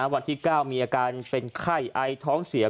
วันที่๙มีอาการเป็นไข้ไอท้องเสีย